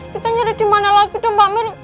kita nyari dimana lagi tuh mbak mirna